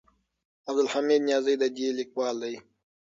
عبدالحمید نیازی د دې لیکوال دی.